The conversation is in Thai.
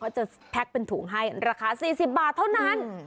จะแพ็คเป็นถุงให้ราคา๔๐บาทเท่านั้น